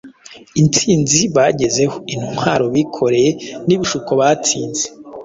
intsinzi bagezeho; imitwaro bikoreye n’ibishuko batsinze.